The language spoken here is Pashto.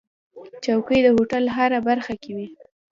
چوکۍ د هوټل هره برخه کې وي.